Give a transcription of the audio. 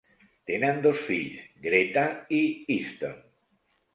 Tenen dos fills, Greta i Easton.